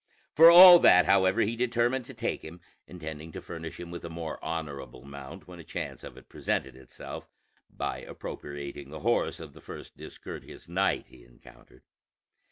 For all that, however, he determined to take him; intending to furnish him with a more honorable mount when a chance of it presented itself, by appropriating the horse of the first discourteous knight he encountered.